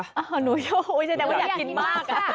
อ้าวหนูโย่แสดงว่าอยากกินมากอะ